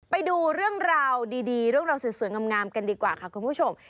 ไปดูเรื่องราวดีเรื่องราวสวยงามกันดีกว่าค่ะคุณผู้ชม